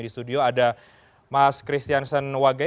di studio ada mas kristiansen wage